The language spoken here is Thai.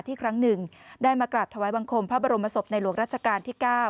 ครั้งหนึ่งได้มากราบถวายบังคมพระบรมศพในหลวงรัชกาลที่๙